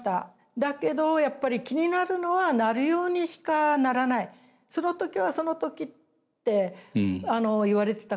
だけどやっぱり気になるのは「なるようにしかならない」「その時はその時」って言われてたこと。